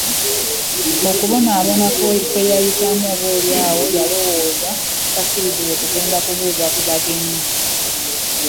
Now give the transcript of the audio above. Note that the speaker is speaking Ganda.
Okubonaabona kwe yayitamu oboolyawo yalowooza takkirizibwe kugenda kubuuza ku bagenyi.